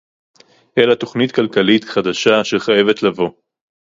אלא תוכנית כלכלית חדשה אשר חייבת לבוא